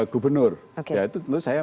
gubernur ya itu tentu saya